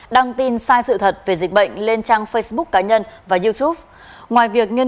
đăng tin sai sự thật về dịch bệnh lên trang facebook cá nhân và youtube